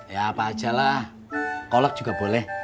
ya apa ajalah kolak juga boleh